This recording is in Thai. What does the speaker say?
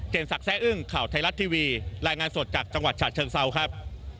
สักแซ่อึ้งข่าวไทยรัฐทีวีรายงานสดจากจังหวัดฉะเชิงเซาครับ